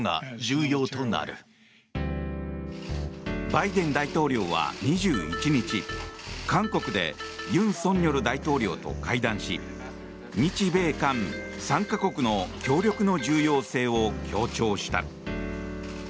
バイデン大統領は２１日韓国で尹錫悦大統領と会談し日米韓３か国の協力の重要性を強調した。